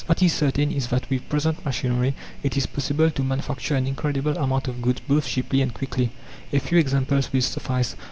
What is certain is that with present machinery it is possible to manufacture an incredible amount of goods both cheaply and quickly. A few examples will suffice.